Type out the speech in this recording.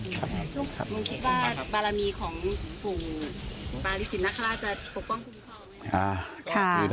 มึงคิดว่าบารมีของกลุ่มปาริสินนคราชจะปกป้องคุณพ่อไหมครับ